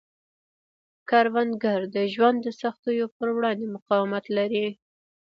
کروندګر د ژوند د سختیو پر وړاندې مقاومت لري